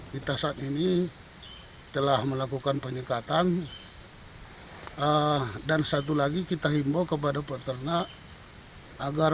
kita saat ini telah melakukan penyekatan dan satu lagi kita himbau kepada peternak agar